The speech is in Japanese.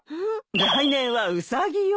来年はウサギよ。